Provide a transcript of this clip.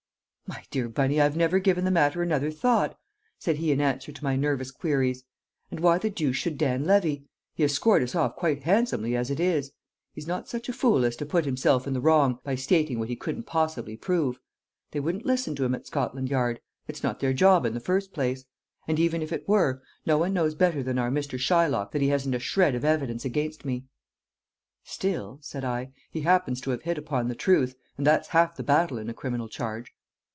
"My dear Bunny! I've never given the matter another thought," said he in answer to my nervous queries, "and why the deuce should Dan Levy? He has scored us off quite handsomely as it is; he's not such a fool as to put himself in the wrong by stating what he couldn't possibly prove. They wouldn't listen to him at Scotland Yard; it's not their job, in the first place. And even if it were, no one knows better than our Mr. Shylock that he hasn't a shred of evidence against me." "Still," said I, "he happens to have hit upon the truth, and that's half the battle in a criminal charge."